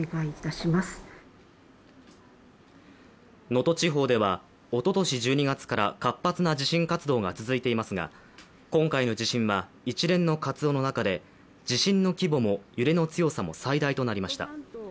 能登地方では、おととし１２月から活発な地震活動が続いていますが今回の地震は、一連の活動の中で地震の規模も揺れの強さも最大となりました。